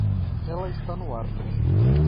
Ela está no ar.